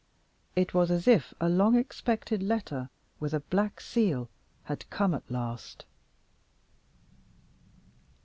It was as if a long expected letter, with a black seal, had come at last.